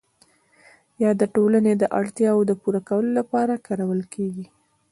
یا د ټولنې د اړتیاوو د پوره کولو لپاره کارول کیږي؟